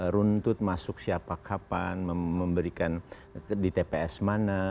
runtut masuk siapa kapan memberikan di tps mana